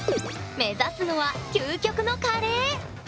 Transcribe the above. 目指すのは究極のカレー。